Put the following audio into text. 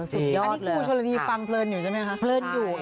หนีเมียมาเที่ยว